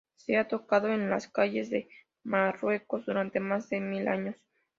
Se ha tocado en las calles de Marruecos durante más de mil años.